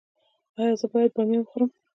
ایا زه باید بامیه وخورم؟